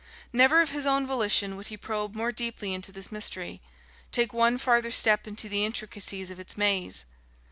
Never of his own volition would he probe more deeply into this mystery, take one farther step into the intricacies of its maze.